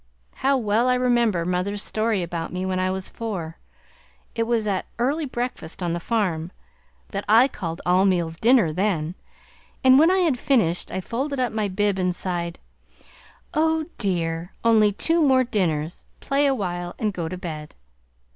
How well I remember mother's story about me when I was four. It was at early breakfast on the farm, but I called all meals dinner' then, and when I had finished I folded up my bib and sighed: O, dear! Only two more dinners, play a while and go to bed!'